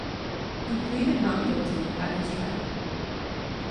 He pleaded not guilty at his trial.